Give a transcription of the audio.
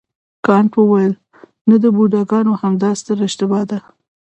کانت وویل نه د بوډاګانو همدا ستره اشتباه ده.